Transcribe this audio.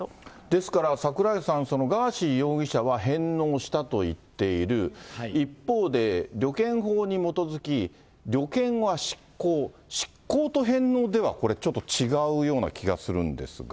ですから櫻井さん、ガーシー容疑者は返納したと言っている、一方で、旅券法に基づき、旅券は失効、失効と返納ではこれ、ちょっと違うような気がするんですが。